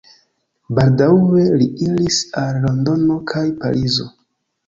Baldaŭe li iris al Londono kaj Parizo.